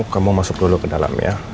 kamu masuk dulu ke dalam ya